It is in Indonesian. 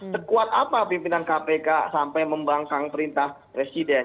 sekuat apa pimpinan kpk sampai membangkang perintah presiden